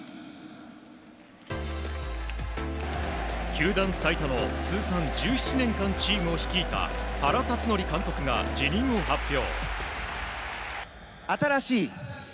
球団最多の通算１７年間チームを率いた原辰徳監督が辞任を発表。